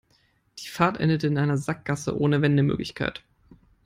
Die Fahrt endete in einer Sackgasse ohne Wendemöglichkeit.